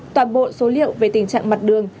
toàn bộ số liệu về tình trạng mặt đường